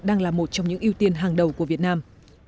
đang là một trong những ưu tiên hàng đầu của việt nam